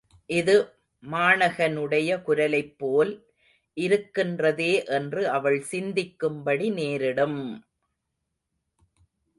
இது மாணகனுடைய குரலைப் போல் இருக்கின்றதே என்று அவள் சிந்திக்கும்படி நேரிடும்!